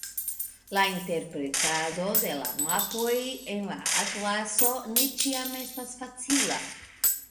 La interpretado de la mapoj en la atlaso ne ĉiam estas facila.